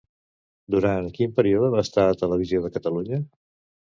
Durant quin període va estar a Televisió de Catalunya?